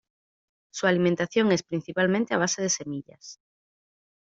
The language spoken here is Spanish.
Su alimentación es principalmente a base de semillas.